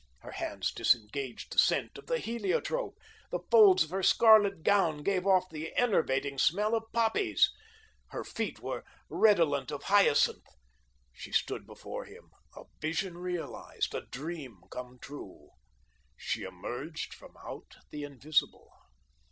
Her hands disengaged the scent of the heliotrope. The folds of her scarlet gown gave off the enervating smell of poppies. Her feet were redolent of hyacinth. She stood before him, a Vision realised a dream come true. She emerged from out the invisible.